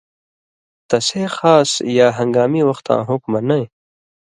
تسے خاص یا ہن٘گامی وختاں حُکمہ نَیں